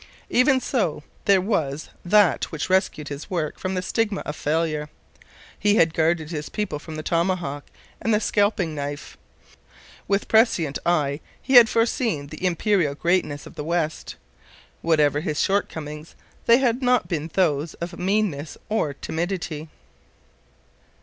Even so there was that which rescued his work from the stigma of failure. He had guarded his people from the tomahawk and the scalping knife. With prescient eye he had foreseen the imperial greatness of the West. Whatever his shortcomings, they had not been those of meanness or timidity.